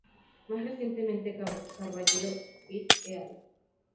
Más recientemente, Carballido "et al".